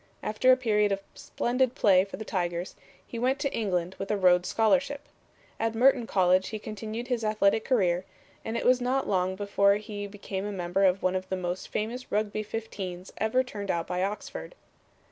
After a period of splendid play for the Tigers he went to England with a Rhodes Scholarship. At Merton College he continued his athletic career, and it was not long before he became a member of one of the most famous Rugby fifteens ever turned out by Oxford.